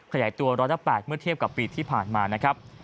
ขยายตัว๑๐๘เมื่อเทียบกับปีที่ผ่านมานะครับ